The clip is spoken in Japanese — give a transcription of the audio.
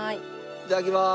いただきます。